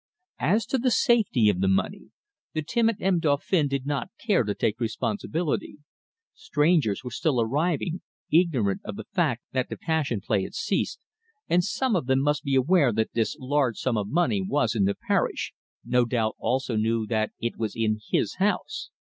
As to the safety of the money, the timid M. Dauphin did not care to take responsibility. Strangers were still arriving, ignorant of the fact that the Passion Play had ceased, and some of them must be aware that this large sum of money was in the parish no doubt also knew that it was in his house.